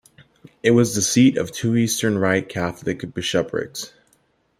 It was the seat of two Eastern Rite Catholic bishoprics.